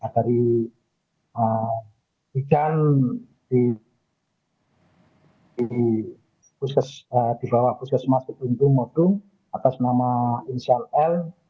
dari bidan di bawah puskesmas kedundung modul atas nama insial l